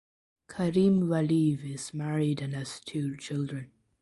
Karim Valiyev is married and has two children.